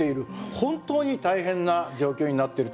本当に大変な状況になっていると思います。